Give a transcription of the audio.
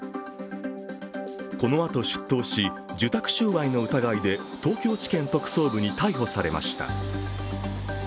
このあと出頭し、受託収賄の疑いで東京地検特捜部に逮捕されました。